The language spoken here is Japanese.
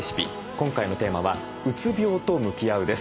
今回のテーマは「うつ病と向きあう」です。